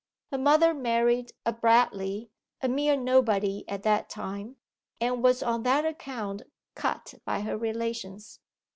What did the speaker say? Her mother married a Bradleigh a mere nobody at that time and was on that account cut by her relations.